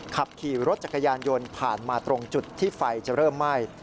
ขับขี่รถจักรยานยนต์ผ่านมาตรงจุดที่ไฟจะเริ่มไหม้